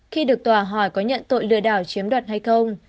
khi được tòa hỏi có nhận tội lừa đảo chiếm đoạt hay không